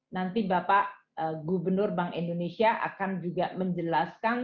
nanti bapak gubernur bank indonesia akan juga menjelaskan